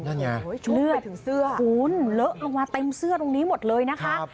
นั่นไงโอ้ยชุบไปถึงเสื้อหูนเลอะเอาไว้เต็มเสื้อตรงนี้หมดเลยนะคะ